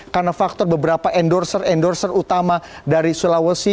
karena faktor beberapa endorser endorser utama dari sulawesi